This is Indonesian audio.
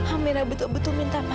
kamera betul betul minta maaf